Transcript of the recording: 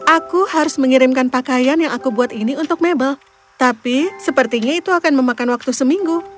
aku harus mengirimkan pakaian yang aku buat ini untuk mebel tapi sepertinya itu akan memakan waktu seminggu